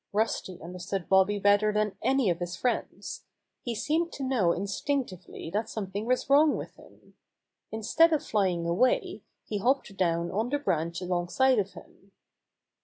Rusty understood Bobby better than any of his friends. He seemed to know instinctively that something was wrong with him. Instead of flying away, he hopped down on the branch alongside of him.